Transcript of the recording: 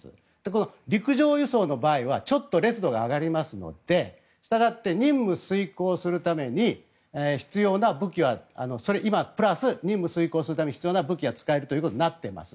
この陸上輸送の場合はちょっと烈度が上がりますのでしたがって任務を遂行するために必要な武器は今、プラス任務遂行するために使える武器は使えるということになっています。